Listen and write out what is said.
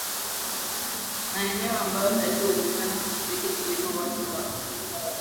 maeneo ambayo haikuwezekana kushiriki kilimo Watu wa